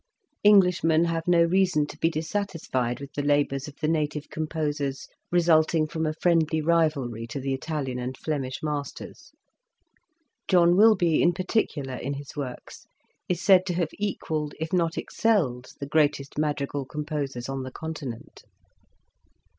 Englishmen have no reason to be dissatisfied with the labours of the native composers resulting from a friendly rivalry to the Italian and Flemish Masters. John Wilbye in par ticular in his works is said to have equalled if not excelled the greatest madrigal composers on the Continent.